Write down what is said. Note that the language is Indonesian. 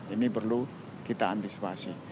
ini perlu kita antisipasi